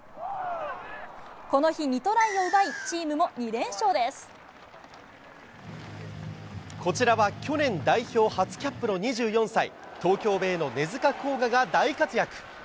この日、２トライを奪い、チームこちらは去年、代表初キャップの２４歳、東京ベイの根塚洸雅が大活躍。